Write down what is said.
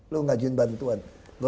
lo ngajuin bantuan